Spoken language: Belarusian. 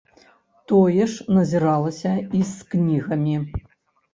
Тое ж назіралася і з кнігамі.